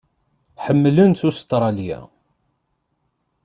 Ḥemmlent Ustṛalya.